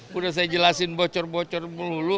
sudah saya jelasin bocor bocor mulu mulu